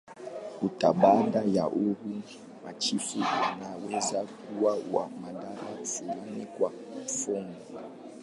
Hata baada ya uhuru, machifu wanaweza kuwa na madaraka fulani, kwa mfanof.